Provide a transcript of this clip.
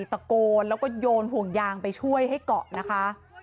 ตะโกนแล้วก็โยนห่วงยางไปช่วยให้เกาะนะคะ